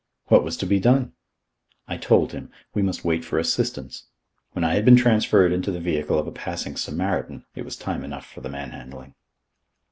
What was to be done? I told him. We must wait for assistance. When I had been transferred into the vehicle of a passing Samaritan, it was time enough for the manhandling.